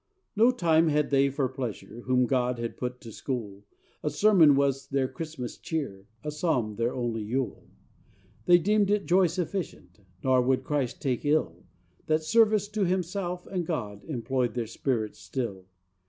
No time had they for pleasure, Whom God had put to school; A sermon was their Christmas cheer, A psalm their only Yule. They deemed it joy sufficient, Nor would Christ take it ill, That service to himself and God Employed their spirits still.